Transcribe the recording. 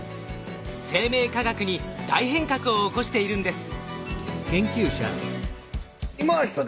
生命科学に大変革を起こしているんです。